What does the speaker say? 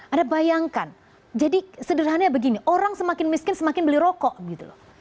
anda bayangkan jadi sederhananya begini orang semakin miskin semakin beli rokok gitu loh